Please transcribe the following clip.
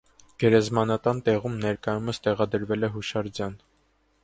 Գերեզմանատան տեղում ներկայումս տեղադրվել է հուշանշան։